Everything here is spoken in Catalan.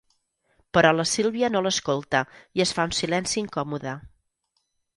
Però la Sílvia no l'escolta i es fa un silenci incòmode.